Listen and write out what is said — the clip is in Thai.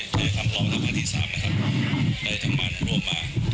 ใช้ยากคำหลอกทั้งวันที่สามนะครับในทางบ้านร่วมมา